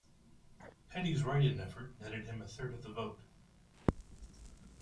Peddy's write-in effort netted him a third of the vote.